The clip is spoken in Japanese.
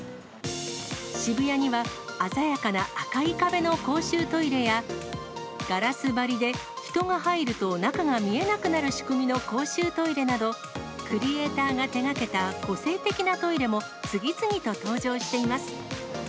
渋谷には、鮮やかな赤い壁の公衆トイレや、ガラス張りで、人が入ると中が見えなくなる仕組みの公衆トイレなど、クリエーターが手がけた個性的なトイレも次々と登場しています。